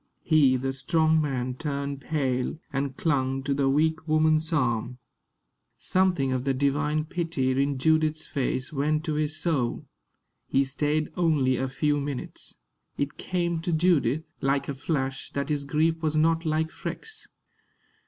He, the strong man, turned pale, and clung to the weak woman's arm. Something of the divine pity in Judith's face went to his soul. He stayed only a few minutes. It came to Judith, like a flash, that his grief was not like Freke's.